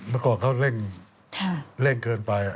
เมื่อก่อนเขาเร่งเกินไป